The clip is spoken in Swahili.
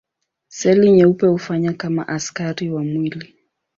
Seli nyeupe hufanya kama askari wa mwili.